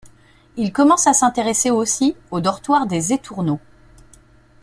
Il commence à s’intéresser aussi aux dortoirs des étourneaux.